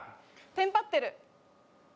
テンパってる！